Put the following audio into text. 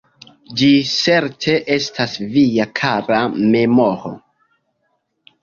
Ĝi certe estas via kara memoro.